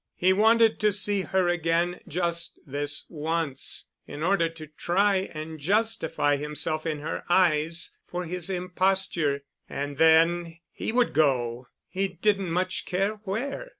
He wanted to see her again—just this once, in order to try and justify himself in her eyes for his imposture, and then he would go—he didn't much care where.